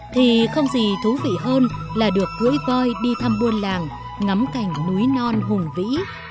thì không gì thú vị hơn là được cưỡi voi đi thăm buôn làng ngắm cảnh núi non hùng vĩ